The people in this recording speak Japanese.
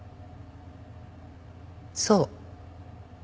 そう。